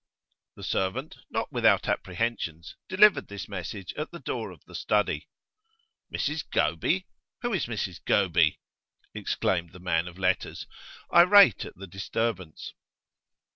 The servant, not without apprehensions, delivered this message at the door of the study. 'Mrs Goby? Who is Mrs Goby?' exclaimed the man of letters, irate at the disturbance.